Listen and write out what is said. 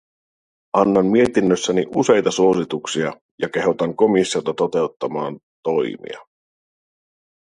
Annan mietinnössäni useita suosituksia ja kehotan komissiota toteuttamaan toimia.